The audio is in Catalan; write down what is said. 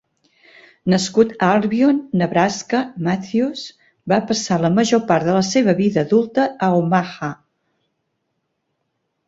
Nascut a Albion, Nebraska, Matthews va passar la major part de la seva vida adulta a Omaha.